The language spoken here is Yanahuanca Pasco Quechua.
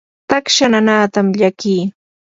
taksha nanaatam llakii.